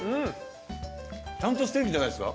ちゃんとステーキじゃないですか。